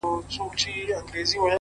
• له یخنۍ څخه ډبري چاودېدلې ,